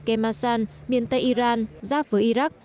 kemasan miền tây iran giáp với iraq